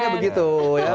ini begitu ya